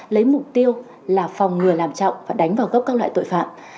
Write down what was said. lấy mục tiêu là phòng ngừa làm trọng và đánh vào gốc các loại tội phạm